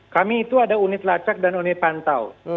kami itu ada unit lacak dan unit pantau